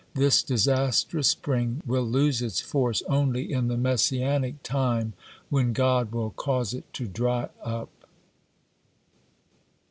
This disastrous spring will lose its force only in the Messianic time when God will cause it to dry up.